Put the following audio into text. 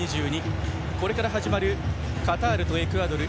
これから始まるカタールとエクアドル